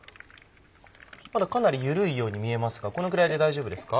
まだかなり緩いように見えますがこのぐらいで大丈夫ですか？